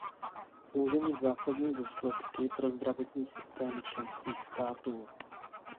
Může mít zásadní důsledky pro zdravotní systémy členských států.